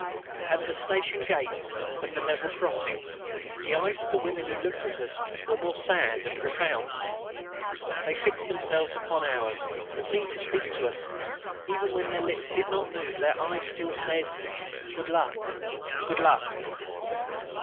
At the station gates and the level crossings, the eyes of the women who looked at us were more sad and profound. They fixed themselves upon ours, and seemed to speak to us. And even when their lips did not move their eyes still said "Good luck!... Good luck!"